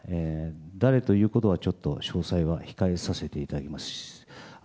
誰ということは詳細は控えさせていただきます。